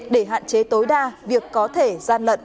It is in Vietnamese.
để hạn chế tối đa việc có thể gian lận